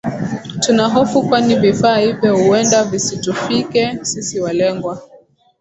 Tuna hofu kwani vifaa hivyo huenda visitufike sisi walengwa